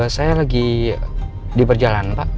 saya lagi diperjalan pak